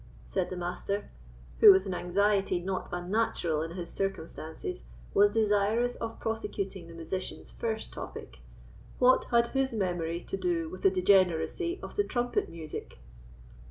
said the Master, who, with an anxiety not unnatural in his circumstances, was desirous of prosecuting the musician's first topic—"what had his memory to do with the degeneracy of the trumpet music?"